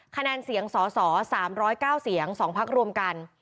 คะแนนเสียงสส๓๐๙เสียง๒พักรวมกัน